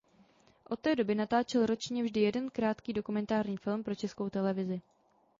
Od té doby natáčel ročně vždy jeden krátký dokumentární film pro Českou televizi.